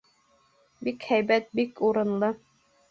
Бик һәйбәт, бик урынлы.